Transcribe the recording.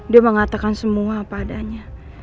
dia mengatakan semua apa adanya